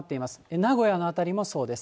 名古屋の辺りもそうです。